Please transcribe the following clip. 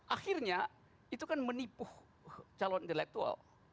akhirnya itu kan menipu calon intelektual